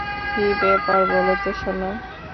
কী ব্যাপার বলো তো, সোনা?